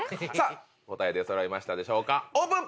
答え出そろいましたでしょうかオープン！